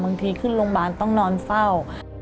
ขึ้นโรงพยาบาลต้องนอนเฝ้า